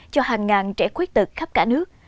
cho hàng ngàn trẻ khuyết tật khắp cả nước